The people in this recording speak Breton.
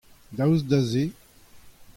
Daoust da se.